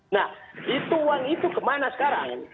nah itu uang itu kemana sekarang